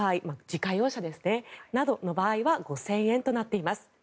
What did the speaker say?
自家用車などの場合は５０００円となっています。